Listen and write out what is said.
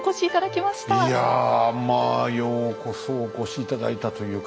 いやまあようこそお越し頂いたというか。